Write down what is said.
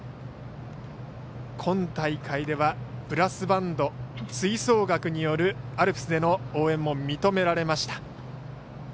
今大会ではブラスバンド吹奏楽によるアルプスでの応援も認められました。